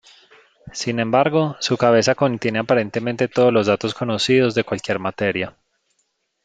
Sin embargo, su cabeza contiene aparentemente todos los datos conocidos de cualquier materia.